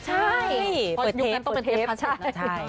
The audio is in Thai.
ใช่เปิดเทปต้องเปิดเทปใช่